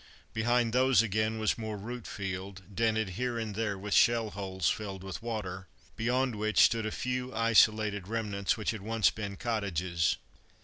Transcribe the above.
Behind those again was more root field, dented here and there with shell holes filled with water, beyond which stood a few isolated remnants which had once been cottages.